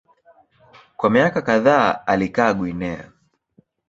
Kwa miaka kadhaa alikaa Guinea.